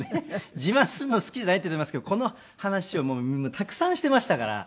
「自慢するの好きじゃない」って言っていますけどこの話をたくさんしていましたから。